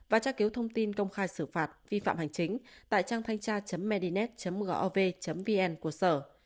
và tra cứu thông tin công khai xử phạt vi phạm hành chính tại trang thanh tra medinet gov vn của sở